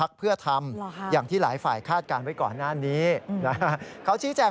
กรณีนี้ทางด้านของประธานกรกฎาได้ออกมาพูดแล้ว